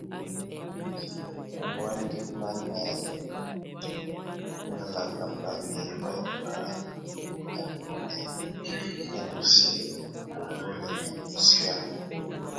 Umbuend ɛ́ba mɛ nálak mba mí we mba nɔ́yek mɛ ndusie wenu lɛna mɛ síak.